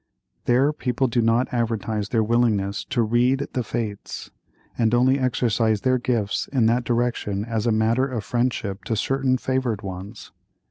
There people do not advertise their willingness to read the fates, and only exercise their gifts in that direction as a matter of friendship to certain favored ones.